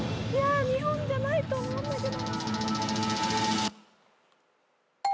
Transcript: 日本じゃないと思うんだけどな。